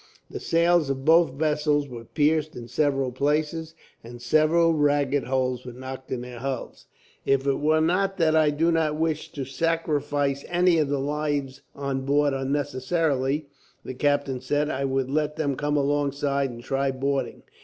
The sails of both vessels were pierced in several places, and several ragged holes were knocked in their hulls. "If it were not that I do not wish to sacrifice any of the lives on board, unnecessarily," the captain said, "I would let them come alongside and try boarding.